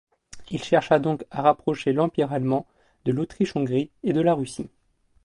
Il chercha donc à rapprocher l'Empire allemand de l'Autriche-Hongrie et de la Russie.